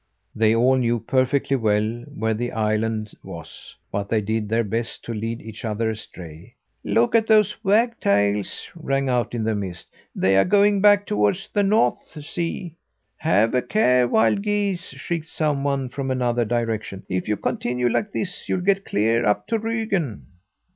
They all knew perfectly well where the island was, but they did their best to lead each other astray. "Look at those wagtails!" rang out in the mist. "They are going back toward the North Sea!" "Have a care, wild geese!" shrieked someone from another direction. "If you continue like this, you'll get clear up to Rügen."